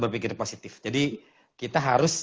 berpikir positif jadi kita harus